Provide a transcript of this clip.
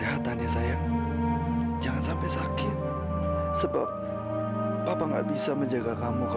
aku gak punya kesempatan lagi untuk itu mila